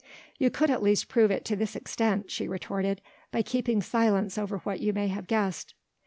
"You could at least prove it to this extent," she retorted, "by keeping silence over what you may have guessed."